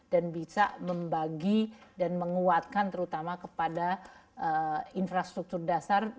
dan bisa membagi dan menguatkan terutama kepada infrastruktur dasar